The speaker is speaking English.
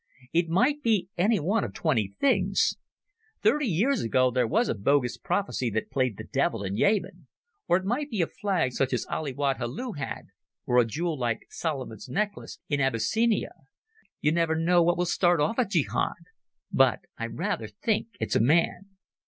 It might be any one of twenty things. Thirty years ago there was a bogus prophecy that played the devil in Yemen. Or it might be a flag such as Ali Wad Helu had, or a jewel like Solomon's necklace in Abyssinia. You never know what will start off a jehad! But I rather think it's a man."